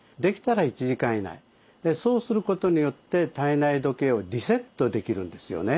そうすることによって体内時計をリセットできるんですよね。